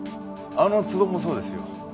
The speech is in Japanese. あの壺もそうですよ。